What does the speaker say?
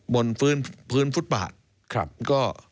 บนพื้นฟุตบาท